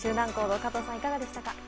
加藤さん、いかがでしたか？